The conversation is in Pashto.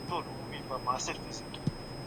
دولت د تخنیکي څېړنو ملاتړ پراخوي.